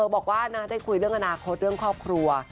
พอผ่านมาทุกจำลัยสูงค่ะ